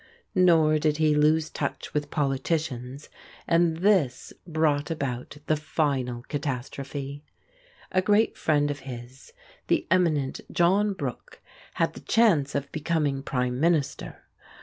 Nor did he lose touch with politicians, and this brought about the final catastrophe. A great friend of his, the eminent John Brooke, had the chance of becoming Prime Minister.